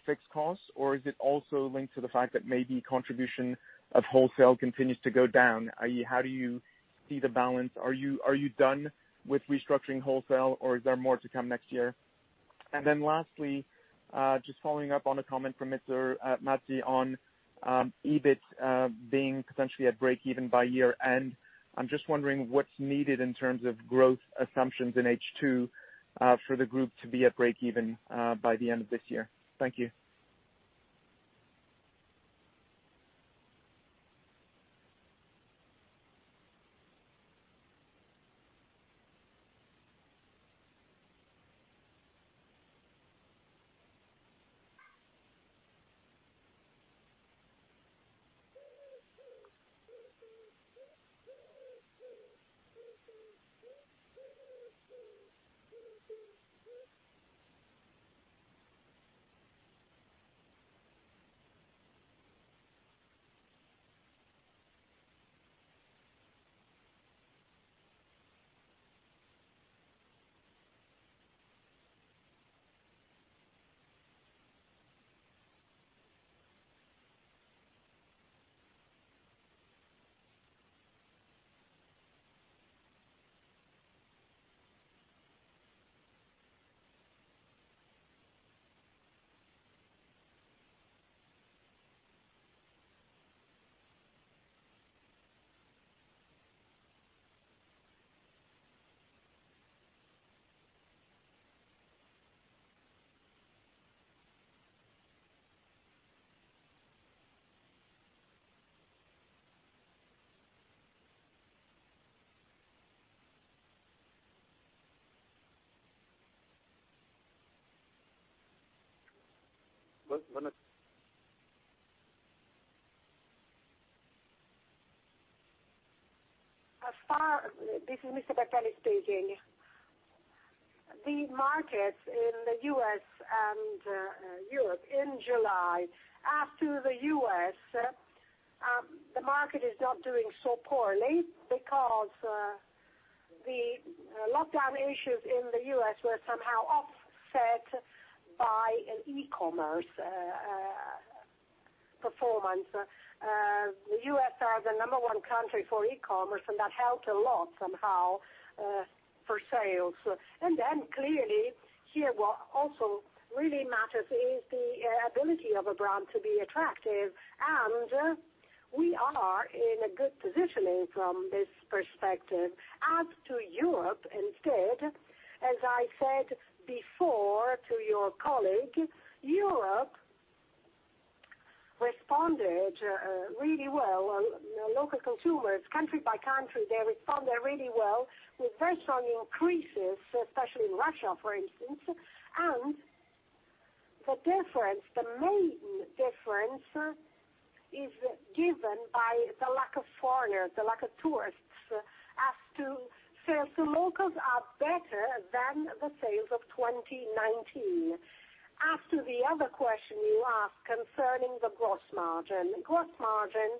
fixed costs, or is it also linked to the fact that maybe contribution of wholesale continues to go down? How do you see the balance? Are you done with restructuring wholesale, or is there more to come next year? Lastly, just following up on a comment from Mr. Mazzi on EBIT being potentially at breakeven by year-end. I'm just wondering what's needed in terms of growth assumptions in H2 for the group to be at breakeven by the end of this year. Thank you. This is Mr. Bertelli speaking. The markets in the U.S. and Europe in July. As to the U.S., the market is not doing so poorly because the lockdown issues in the U.S. were somehow offset by an e-commerce performance. The U.S. are the number 1 country for e-commerce, that helped a lot somehow for sales. Clearly, here, what also really matters is the ability of a brand to be attractive. We are in a good positioning from this perspective. As to Europe instead, as I said before to your colleague, Europe responded really well. Local consumers, country by country, they responded really well with very strong increases, especially in Russia, for instance. The main difference is given by the lack of foreigners, the lack of tourists. As to sales, the locals are better than the sales of 2019. As to the other question you asked concerning the gross margin. Gross margin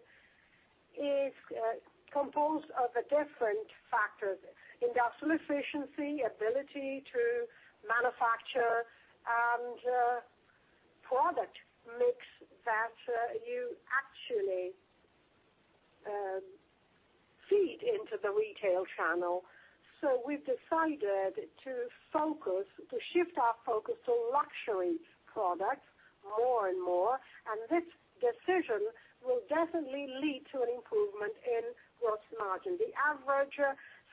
is composed of different factors, industrial efficiency, ability to manufacture, and product mix that you actually feed into the retail channel. We've decided to shift our focus to luxury products more and more, and this decision will definitely lead to an improvement in gross margin. The average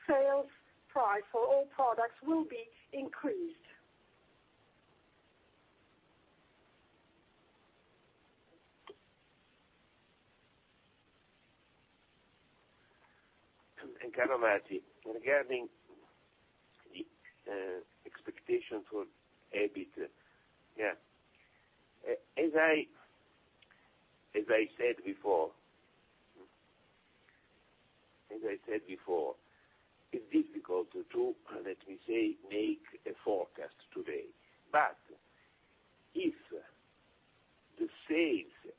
sales price for all products will be increased. Carlo Mazzi. Regarding the expectation for EBIT. As I said before, it's difficult to, let me say, make a forecast today. If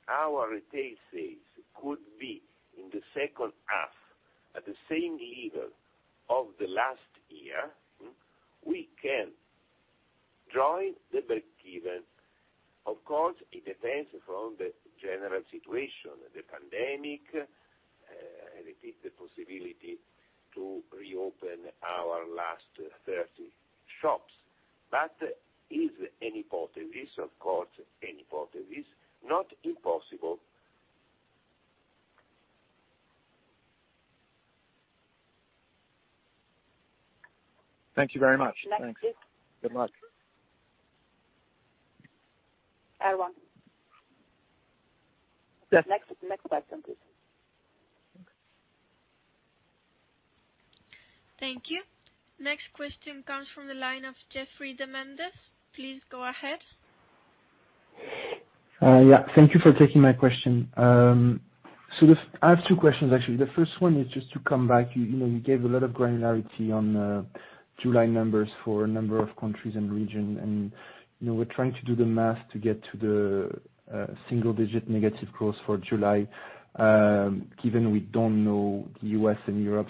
our retail sales could be in the second half at the same level of the last year, we can join the breakeven. Of course, it depends on the general situation, the pandemic, I repeat, the possibility to reopen our last 30 shops. Is an hypothesis, of course, an hypothesis, not impossible. Thank you very much. Next, please. Thanks. Good luck. Erwan. Yes. Next question, please. Thank you. Next question comes from the line of Jeffrey de Mendes. Please go ahead. Yeah. Thank you for taking my question. I have two questions, actually. The first one is just to come back. You gave a lot of granularity on July numbers for a number of countries and region, and we're trying to do the math to get to the single-digit negative growth for July, given we don't know the U.S. and Europe.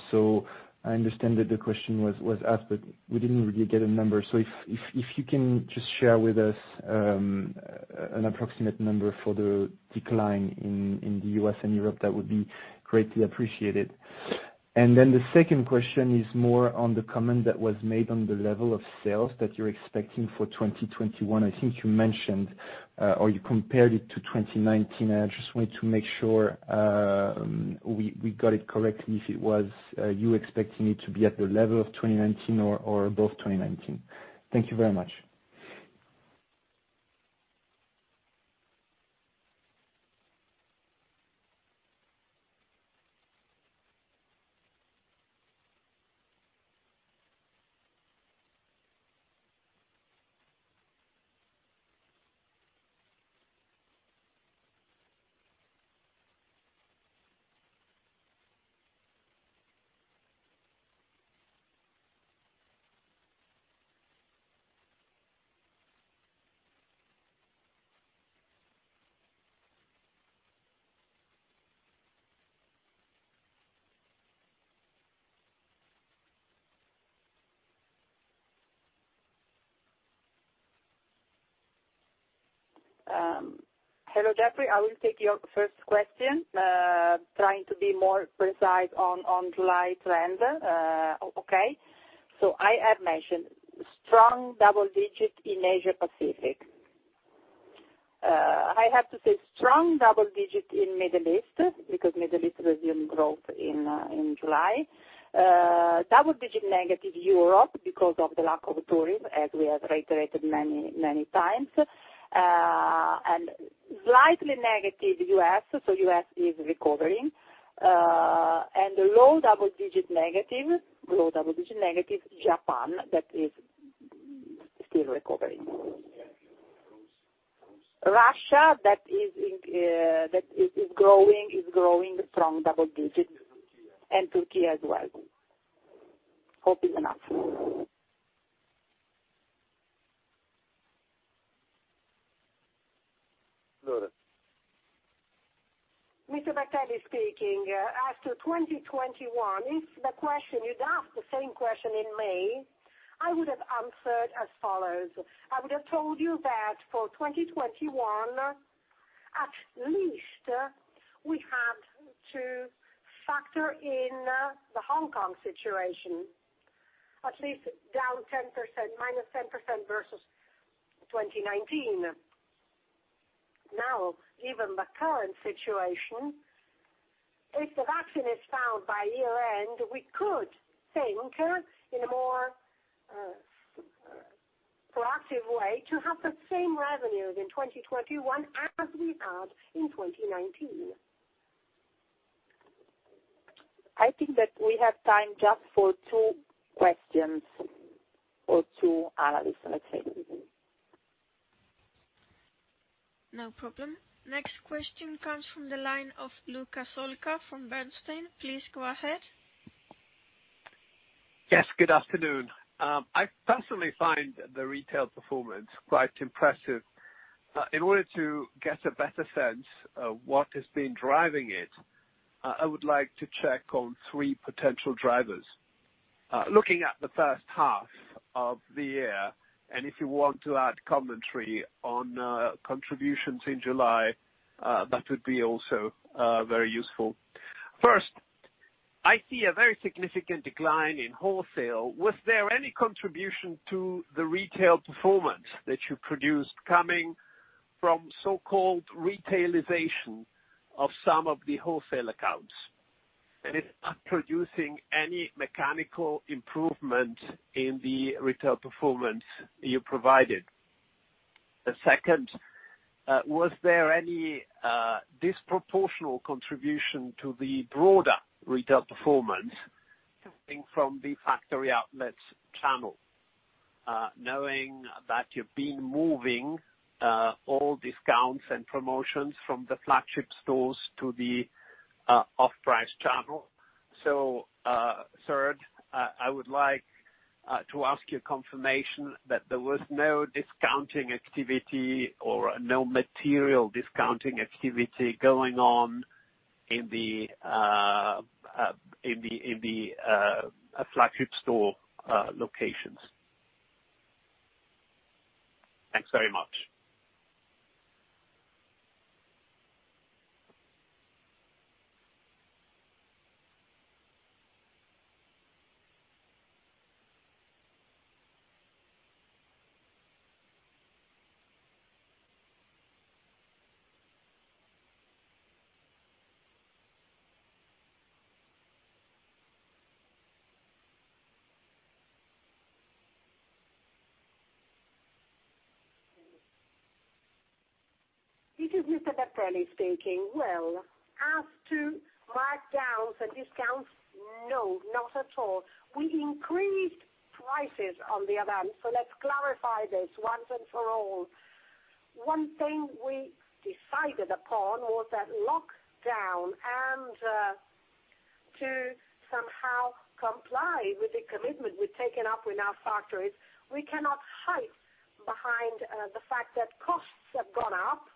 I understand that the question was asked, but we didn't really get a number. If you can just share with us an approximate number for the decline in the U.S. and Europe, that would be greatly appreciated. The second question is more on the comment that was made on the level of sales that you're expecting for 2021. I think you mentioned, or you compared it to 2019, and I just wanted to make sure we got it correctly, if it was you expecting it to be at the level of 2019 or above 2019. Thank you very much. Hello, Jeffrey. I will take your first question, trying to be more precise on July trends. Okay. I have mentioned strong double digit in Asia Pacific. I have to say strong double digit in Middle East, because Middle East resumed growth in July. Double digit negative Europe, because of the lack of tourism, as we have reiterated many times. Slightly negative U.S., so U.S. is recovering. Low double digit negative Japan, that is still recovering. Russia, that is growing, is growing strong double digit, and Turkey as well. Hope it's enough. Laura. Mr. Bertelli speaking. As to 2021, if you'd asked the same question in May, I would have answered as follows. I would have told you that for 2021, at least we had to factor in the Hong Kong situation, at least down 10%, minus 10% versus 2019. Now, given the current situation, if the vaccine is found by year-end, we could think in a more proactive way to have the same revenues in 2021 as we had in 2019. I think that we have time just for two questions or two analysts. No problem. Next question comes from the line of Luca Solca from Bernstein. Please go ahead. Yes, good afternoon. I personally find the retail performance quite impressive. In order to get a better sense of what has been driving it, I would like to check on three potential drivers. Looking at the first half of the year, and if you want to add commentary on contributions in July, that would be also very useful. First, I see a very significant decline in wholesale. Was there any contribution to the retail performance that you produced coming from so-called retailization of some of the wholesale accounts? It's not producing any mechanical improvement in the retail performance you provided. The second, was there any disproportional contribution to the broader retail performance coming from the factory outlets channel, knowing that you've been moving all discounts and promotions from the flagship stores to the off-price channel? Third, I would like to ask your confirmation that there was no discounting activity or no material discounting activity going on in the flagship store locations. Thanks very much. This is Mr. Bertelli speaking. As to markdowns and discounts, no, not at all. We increased prices on the event. Let's clarify this once and for all. One thing we decided upon was that lockdown and to somehow comply with the commitment we've taken up with our factories, we cannot hide behind the fact that costs have gone up.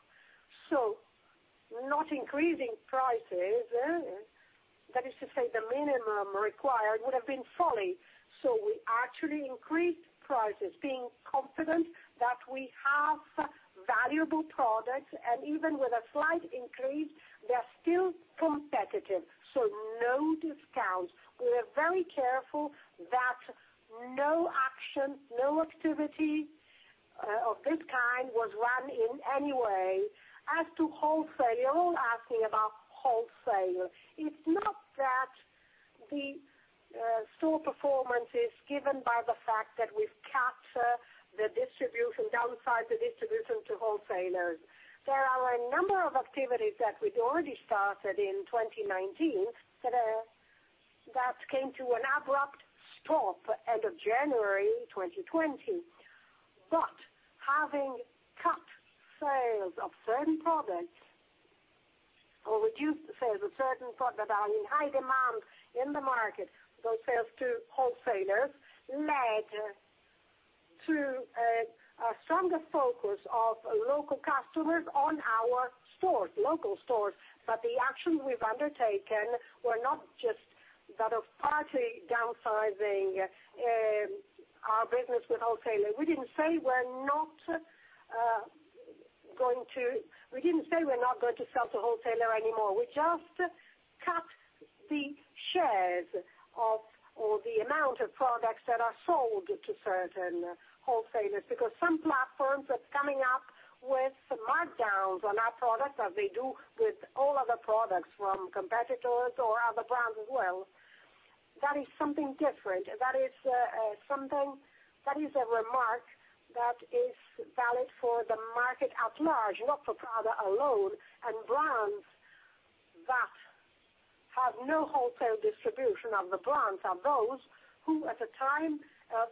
Not increasing prices, that is to say, the minimum required, would have been folly. We actually increased prices, being confident that we have valuable products, and even with a slight increase, they're still competitive. No discounts. We are very careful that no action, no activity of this kind was run in any way. As to wholesale, you're asking about wholesale. It's not that the store performance is given by the fact that we've cut the distribution downside, the distribution to wholesalers. There are a number of activities that we'd already started in 2019 that came to an abrupt stop end of January 2020. Having cut sales of certain products or reduced sales of certain products that are in high demand in the market, those sales to wholesalers led to a stronger focus of local customers on our local stores. The actions we've undertaken were not just that of partly downsizing our business with wholesalers. We didn't say we're not going to sell to wholesalers anymore. We just cut the shares or the amount of products that are sold to certain wholesalers. Some platforms are coming up with some markdowns on our products, as they do with all other products from competitors or other brands as well. That is something different. That is a remark that is valid for the market at large, not for Prada alone. Brands that have no wholesale distribution of the brands are those who, at a time of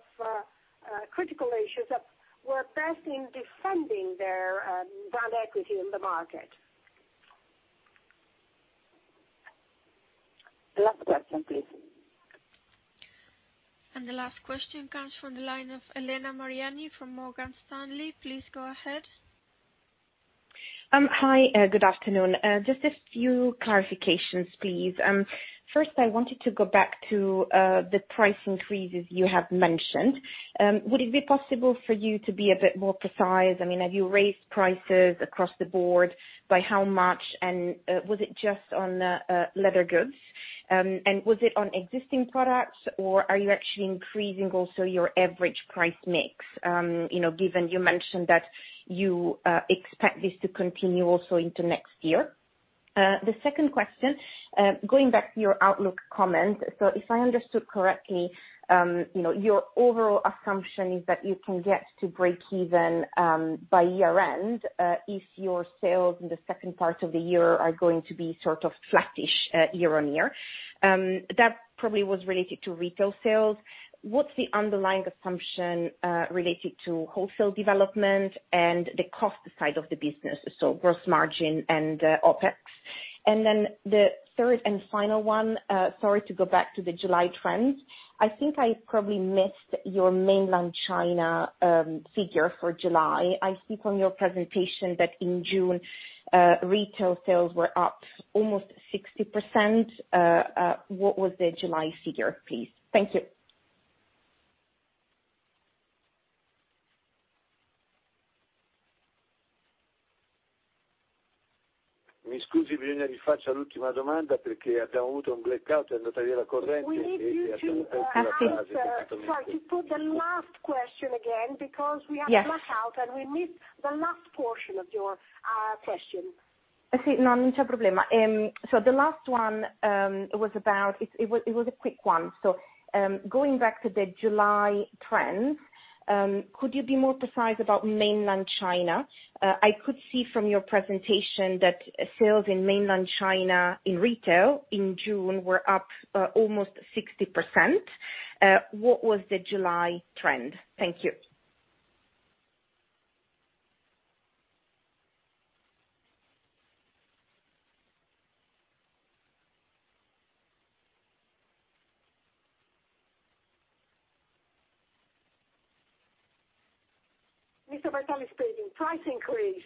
critical issues, were best in defending their brand equity in the market. Last question, please. The last question comes from the line of Elena Mariani from Morgan Stanley. Please go ahead. Hi, good afternoon. Just a few clarifications, please. First, I wanted to go back to the price increases you have mentioned. Would it be possible for you to be a bit more precise? Have you raised prices across the board? By how much? Was it just on leather goods? Was it on existing products, or are you actually increasing also your average price mix, given you mentioned that you expect this to continue also into next year? The second question, going back to your outlook comment. If I understood correctly, your overall assumption is that you can get to break even by year-end if your sales in the second part of the year are going to be sort of flattish year-on-year. That probably was related to retail sales. What's the underlying assumption related to wholesale development and the cost side of the business, so gross margin and OpEx? The third and final one, sorry to go back to the July trends. I think I probably missed your mainland China figure for July. I see from your presentation that in June, retail sales were up almost 60%. What was the July figure, please? Thank you. We need you to put the last question again, because we had a blackout, and we missed the last portion of your question. The last one, it was a quick one. Going back to the July trends, could you be more precise about mainland China? I could see from your presentation that sales in mainland China in retail in June were up almost 60%. What was the July trend? Thank you. Mr. Bertelli speaking. Price increase.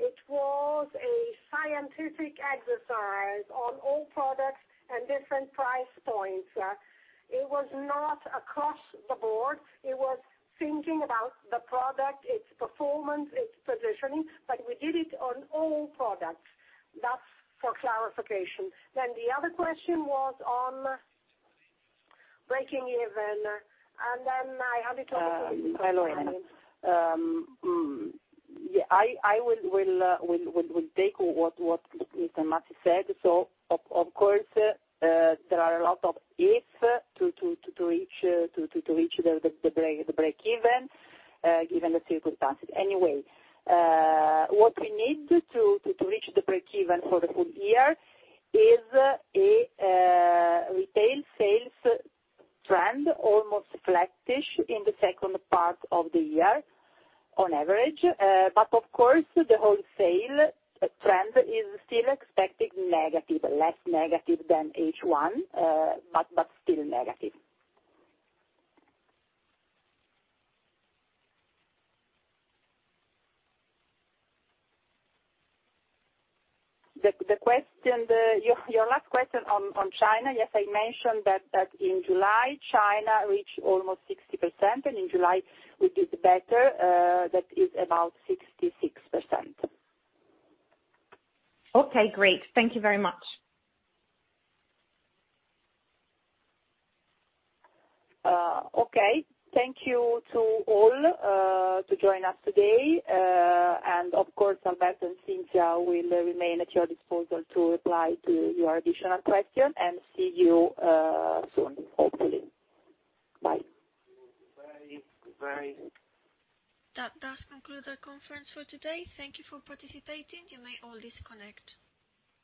It was a scientific exercise on all products and different price points. It was not across the board. It was thinking about the product, its performance, its positioning, but we did it on all products. That's for clarification. The other question was on breaking even. I hand it over to Patrizia. I will take what Mr. Mazzi said. Of course, there are a lot of ifs to reach the break even, given the circumstances. Anyway, what we need to reach the break even for the full- year is a retail sales trend, almost flattish in the second part of the year on average. Of course, the wholesale trend is still expected negative. Less negative than H1, still negative. Your last question on China. Yes, I mentioned that in July, China reached almost 60%, and in July we did better. That is about 66%. Okay, great. Thank you very much. Okay. Thank you to all to join us today. Of course, Alberto and Cinzia will remain at your disposal to reply to your additional questions, and see you soon, hopefully. Bye. Bye. Goodbye. That does conclude our conference for today. Thank you for participating. You may all disconnect.